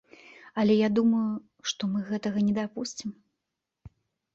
Але я думаю, што мы гэтага не дапусцім.